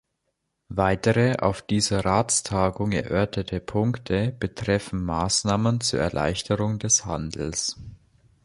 Weitere auf dieser Ratstagung erörterte Punkte betreffen Maßnahmen zur Erleichterung des Handels.